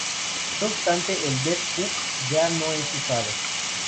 No obstante, el Dev Hook ya no es usado.